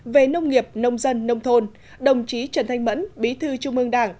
về nông nghiệp nông dân nông thôn đồng chí trần thanh mẫn bí thư trung ương đảng